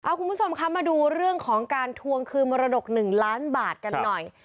คุณผู้ชมคะมาดูเรื่องของการทวงคืนมรดก๑ล้านบาทกันหน่อย